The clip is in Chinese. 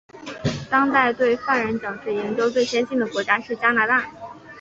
当代对犯人矫治研究最先进的国家是加拿大。